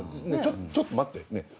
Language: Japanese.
ちょっと待ってねぇ。